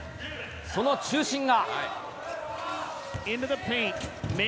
その中心が。